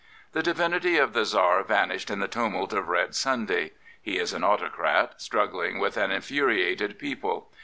The divinity of the Tsar vanished in the tumult of JRed Sii fiday^, He is an autocrat struggling with an infuriated people.